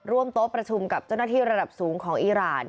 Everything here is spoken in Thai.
โต๊ะประชุมกับเจ้าหน้าที่ระดับสูงของอีราน